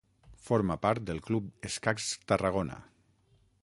Forma part del Club Escacs Tarragona.